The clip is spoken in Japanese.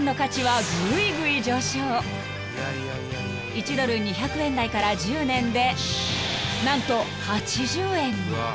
［１ドル２００円台から１０年で何と８０円に］